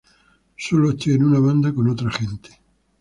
Sólo estoy en una banda con otra gente".